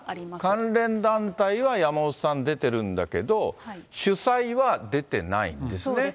関連団体は山本さん、出てるんだけど、主催は出てないんですね。